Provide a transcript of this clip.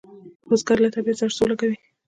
بزګر له طبیعت سره سوله کوي